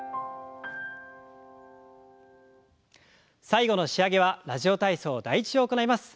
最後の仕上げは「ラジオ体操第１」を行います。